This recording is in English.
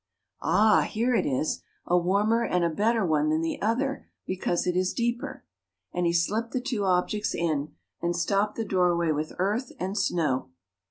"Ah, here it is a warmer and a better one than the other because it is deeper," and he slipped the two objects in and stopped the doorway with earth and snow.